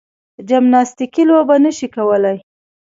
جمناستیکي لوبه نه شي کولای.